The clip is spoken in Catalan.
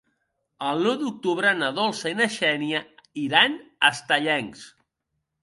El nou d'octubre na Dolça i na Xènia iran a Estellencs.